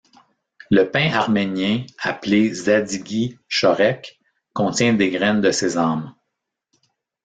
Le pain arménien appelé Zadiguí Chorék contient des graines de sésame.